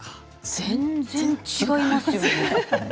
全然違いますよね。